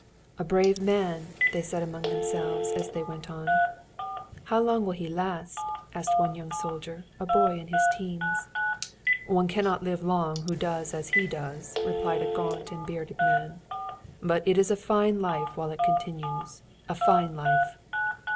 "A brave man," they said among themselves as they went on. "How long will he last?" asked one young soldier, a boy in his teens. "One cannot live long who does as he does," replied a gaunt and bearded man. "But it is a fine life while it continues. A fine life!"